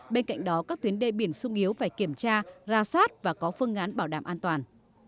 bên cạnh đó các tuyến đê biển sung yếu phải kiểm tra ra soát và có phương án bảo đảm an toàn